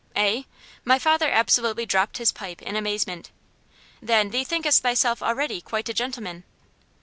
"Eh?" my father absolutely dropped his pipe in amazement. "Then, thee thinkest thyself already quite a gentleman?"